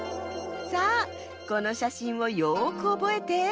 さあこのしゃしんをよくおぼえて。